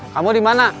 kamu di mana